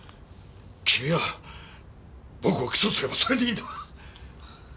君は僕を起訴すればそれでいいんだ。